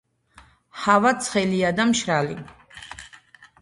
ჰავა ცხელია და მშრალი.